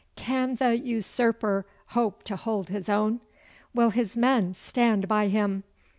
Can the usurper hope to hold his own? Will his men stand by him?